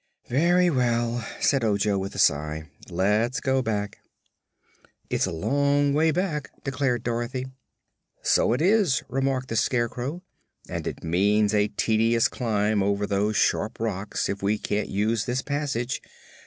"Very well," said Ojo, with a sigh; "let's go back." "It's a long way back," declared Dorothy. "So it is," remarked the Scarecrow, "and it means a tedious climb over those sharp rocks if we can't use this passage.